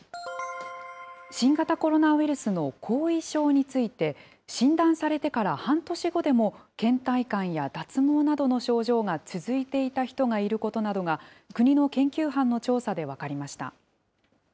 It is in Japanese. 新型コロナウイルスの後遺症について、診断されてから半年後でも、けん怠感や脱毛などの症状が続いていた人がいることなどが、国の研究班の調査で分かりました。